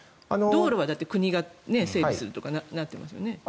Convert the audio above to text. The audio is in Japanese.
道路は国が整備するとかなってますよね。